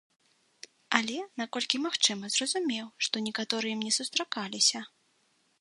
Але, наколькі магчыма, зразумеў, што некаторыя мне сустракаліся.